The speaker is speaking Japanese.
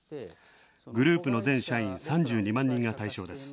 グループの全社員３２万人が対象。